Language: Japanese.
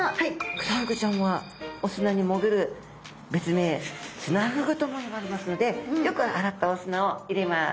クサフグちゃんはお砂に潜る別名すなふぐともいわれますのでよく洗ったお砂を入れます。